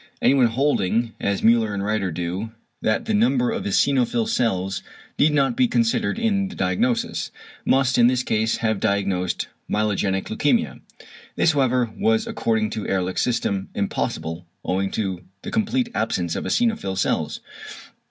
Anyone holding, as Müller and Rieder do, that the number of eosinophil cells need not be considered in the diagnosis, must in this case have diagnosed myelogenic leukæmia. This however was according to Ehrlich's system impossible owing to the complete absence of eosinophil cells.